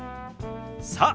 さあ